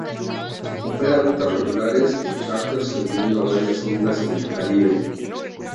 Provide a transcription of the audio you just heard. Opera rutas regulares y charter sirviendo a varias islas en el caribe.